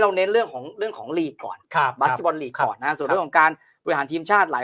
จะเตรียมเรื่องของเรื่องของลีกก่อนบาสบอลลีกก่อนนะส่วนเรื่องของการโดยหารทีมชาติหลาย